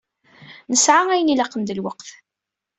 Nesɛa ayen ilaqen d lweqt.